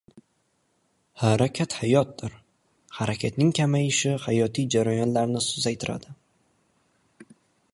Harakat hayotdir, harakatning kamayishi hayotiy jarayonlarni susaytiradi.